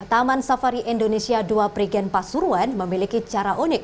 taman safari indonesia dua prigen pasuruan memiliki cara unik